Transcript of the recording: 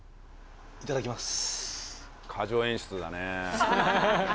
いただきます